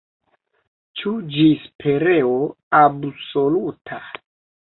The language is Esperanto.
Ĉu ĝis pereo absoluta?